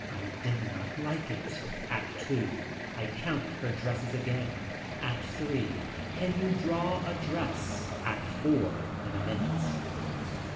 I did not like it. ACT II. I count her dresses again. ACT III. Can you draw a dress. ACT IV. In a minute.